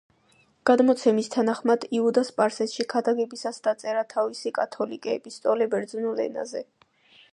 გადმოცემის თანახმად, იუდა სპარსეთში ქადაგებისას დაწერა თავისი კათოლიკე ეპისტოლე ბერძნულ ენაზე.